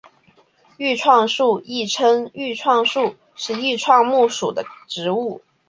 愈创树亦称愈创木是愈创木属的植物。